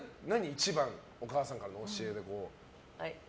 一番のお母さんからの教えで。